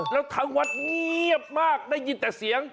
แล้วทางวัดเงียบมากได้ยินแต่เสียง